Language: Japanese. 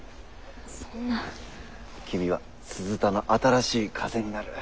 君は鈴田の新しい風になる。